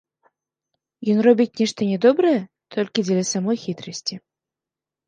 Ён робіць нешта нядобрае толькі дзеля самой хітрасці.